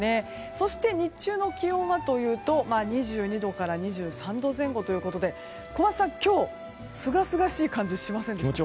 そして、日中の気温は２２度から２３度前後ということで小松さん、今日はすがすがしい感じがしませんでした？